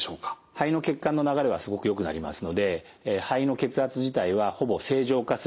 肺の血管の流れはすごくよくなりますので肺の血圧自体はほぼ正常化する方も増えてきています。